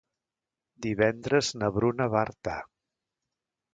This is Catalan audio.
Divendres na Bruna va a Artà.